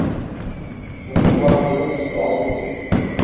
Мунун бардыгын эске алуу керек.